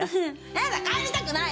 やだ帰りたくない！